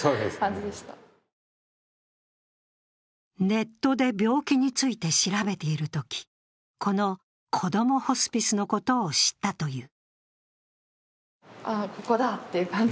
ネットで病気について調べているとき、このこどもホスピスのことを知ったという。